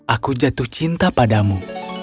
aku jatuh cinta padamu